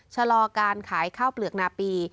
ชะลอการขายข้าวเปลือกนาปี